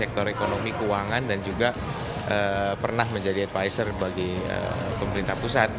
sektor ekonomi keuangan dan juga pernah menjadi advisor bagi pemerintah pusat